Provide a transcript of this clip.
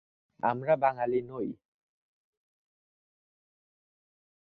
আমরা বাঙালি নই।